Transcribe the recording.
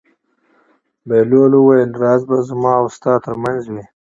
بهلول وویل: راز به زما او ستا تر منځ وي.